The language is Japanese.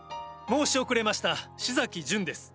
申し遅れました紫咲潤です。